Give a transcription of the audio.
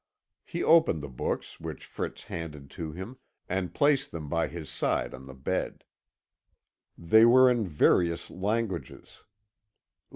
He opened the books which Fritz handed to him, and placed them by his side on the bed. They were in various languages.